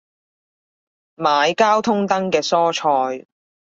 買交通燈嘅蔬菜